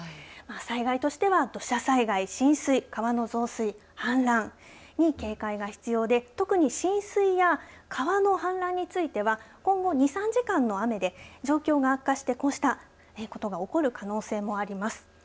災害としては土砂災害、浸水川の増水・氾濫に警戒が必要で特に浸水や川の氾濫については今後２、３時間の雨で状況が悪化してこうしたことが起こる可能性もあります。